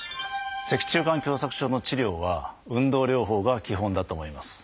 脊柱管狭窄症の治療は運動療法が基本だと思います。